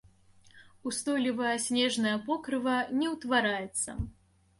Устойлівае снежнае покрыва не ўтвараецца.